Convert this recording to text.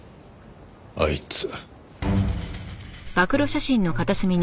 あいつ。